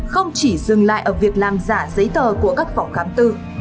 không chỉ dừng lại ở việc làm giả giấy tờ của các phòng khám tư